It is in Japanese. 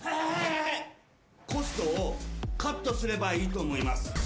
コストをカットすればいいと思います。